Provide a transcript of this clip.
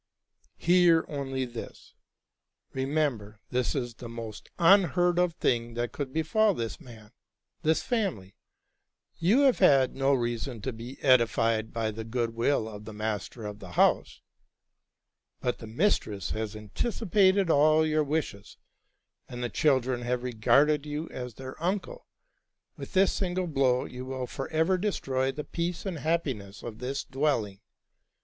'' Hear only this. Remember, this is the most unheard of thing that could befall this man, this family. You have had no reason to be edified by the good will of the master of the house ; but the mistress has anticipated all your wishes, and the children have regarded you as their uncle. With this single blow, you will forever destroy the peace and happi ness of this dwelling.